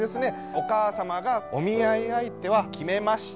お母様が「お見合い相手は決めました」と。